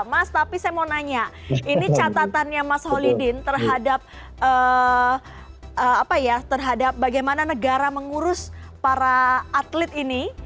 mas tapi saya mau nanya ini catatannya mas holidin terhadap bagaimana negara mengurus para atlet ini